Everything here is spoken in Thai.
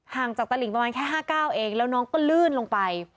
จากตลิงประมาณแค่๕๙เองแล้วน้องก็ลื่นลงไป